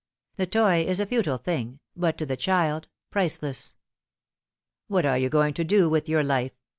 The toy is a futile thing, but to the child priceless. " What are you going to do with your lif e